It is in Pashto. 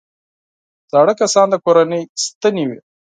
زاړه کسان د کورنۍ ستنې وي